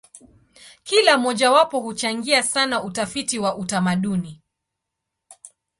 Kila mojawapo huchangia sana utafiti wa utamaduni.